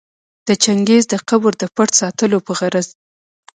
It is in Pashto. د چنګیز د قبر د پټ ساتلو په غرض